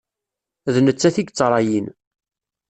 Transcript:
D nettat i yettṛayin.